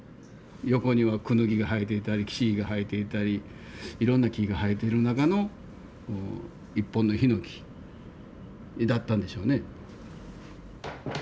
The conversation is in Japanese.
横にはクヌギが生えていたりシイが生えていたりいろんな木が生えてる中の一本のヒノキだったんでしょうね。